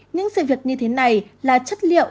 những sự việc như thế này là chất liệu